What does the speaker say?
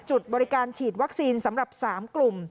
จุดบริการฉีดวัคซีนสำหรับ๓กลุ่ม